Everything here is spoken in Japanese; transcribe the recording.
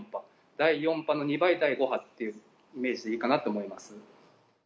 第４波の２倍、第５波っていうイメージでいいかなと思います。